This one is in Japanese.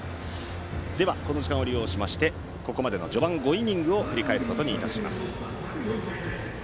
では、この時間を利用しましてここまでの序盤、５イニングを振り返ることにいたします。